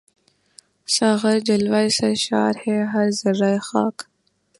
ساغر جلوۂ سرشار ہے ہر ذرۂ خاک